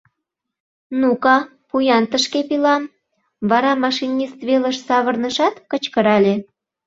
Ну-ка, пу-ян тышке пилам? — вара машинист велыш савырнышат, кычкырале.